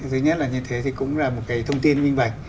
thứ nhất là như thế thì cũng là một cái thông tin minh bạch